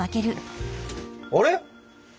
あれ！